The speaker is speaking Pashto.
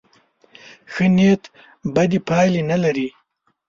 ښه نیت بدې پایلې نه لري.